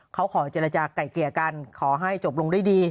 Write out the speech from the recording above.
เขาขอเจรจาไก่เกลี่ยกันขอให้จบลงด้วยดี